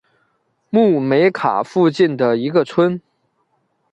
穆梅卡附近的一个村。